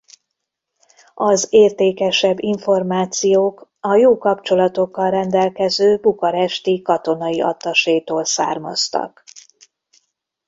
Az értékesebb in formációk a jó kapcsolatokkal rendelkező bukaresti katonai attasétól származtak.